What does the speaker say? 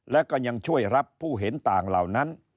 และก็ยังช่วยรับผู้เห็นต่างเหล่านั้น